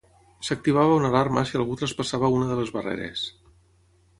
S"activava una alarma si algú traspassava una de les barreres.